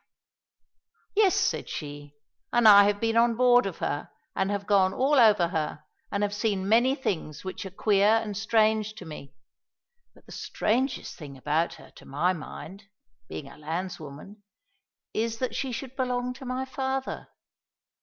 "Yes," said she, "and I have been on board of her and have gone all over her, and have seen many things which are queer and strange to me. But the strangest thing about her, to my mind, being a landswoman, is, that she should belong to my father.